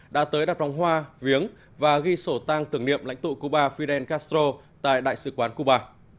đã tới đặt vòng hoa viếng và ghi sổ tăng tưởng niệm lãnh tụ cuba fidel castro tại đại sứ quán cuba